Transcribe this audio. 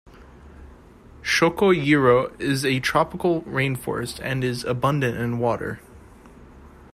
Chocoyero is a tropical rainforest and is abundant in water.